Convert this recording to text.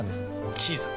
小さく？